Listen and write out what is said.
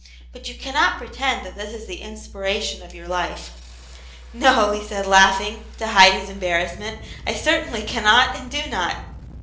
But you cannot pretend that this is the inspiration of your life." " No," he said, laughing, to hide his embarrass ment; "I certainly cannot and do not."